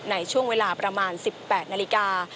ในช่วงเวลาประมาณ๑๘นาฬิกา